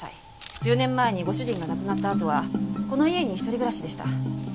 １０年前にご主人が亡くなったあとはこの家に一人暮らしでした。